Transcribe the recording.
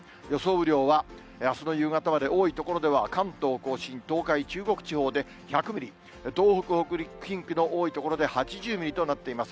雨量は、あすの夕方まで多い所では関東甲信、東海、中国地方で１００ミリ、東北、北陸、近畿の多い所で８０ミリとなっています。